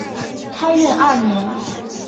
开运二年。